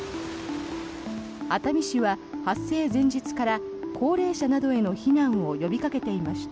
熱海市は発生前日から高齢者などへの避難を呼びかけていました。